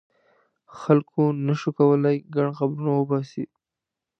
خلکو نه شو کولای ګڼ قبرونه وباسي.